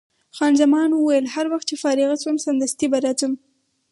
خان زمان وویل: هر وخت چې فارغه شوم، سمدستي به راځم.